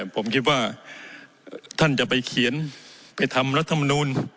ผมคิดว่าท่านจะไปเขียนไปทำรัฐมนูล